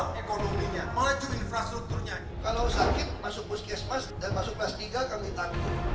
kalau sakit masuk muskiesmas dan masuk kelas tiga kami takut